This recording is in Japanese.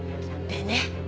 でね